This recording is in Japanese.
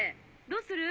どうする？